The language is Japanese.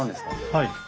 はい。